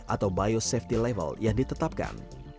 atau biosafety level yang ditetapkan